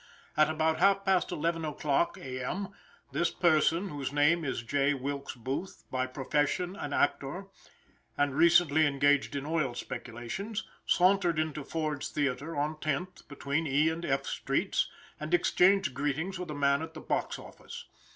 At about half past eleven o'clock A. M., this person, whose name is J. Wilkes Booth, by profession an actor, and recently engaged in oil speculations, sauntered into Ford's Theater, on Tenth, between E and F streets, and exchanged greetings with the man at the box office.